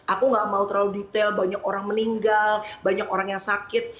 aku gak mau terlalu detail banyak orang meninggal banyak orang yang sakit